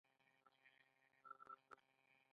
بېنډۍ د خوړو مېز ته ښکلا راولي